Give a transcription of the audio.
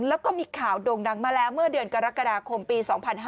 แล้วก็มีข่าวโด่งดังมาแล้วเมื่อเดือนกรกฎาคมปี๒๕๕๙